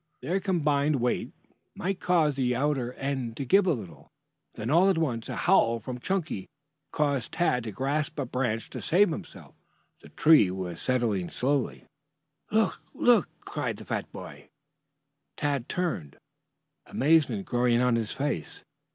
Their combined weight might cause the outer end to give a little. Then all at once a howl from Chunky caused Tad to grasp a branch to save himself. The tree top was settling slowly. "Look, look!" cried the fat boy. Tad turned, amazement growing on his face.